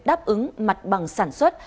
đáp ứng mặt bằng sản xuất